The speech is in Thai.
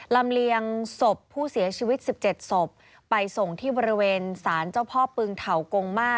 ลำเลียงศพผู้เสียชีวิต๑๗ศพไปส่งที่บริเวณสารเจ้าพ่อปึงเถากงมา